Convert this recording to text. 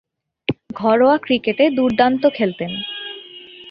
ঘরোয়া ক্রিকেটে দূর্দান্ত খেলতেন।